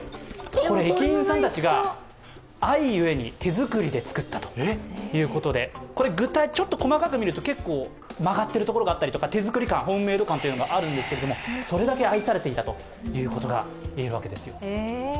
これ、駅員さんたちが愛ゆえに手づくりでつくったということで細かく見ると、結構曲がってるところがあったり、手作り感、ホームメイド感があるんですけどそれだけ愛されていたということが言えるわけです。